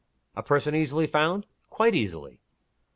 "A person easily found?" "Quite easily."